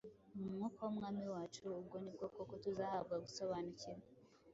mu Mwuka w’Umwami wacu ubwo nibwo koko tuzahabwa gusobanukirwa